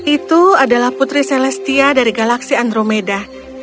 itu adalah putri celestia dari galaksi andromeda